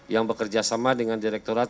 yang bekerjasama dengan direkturat